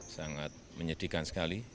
sangat menyedihkan sekali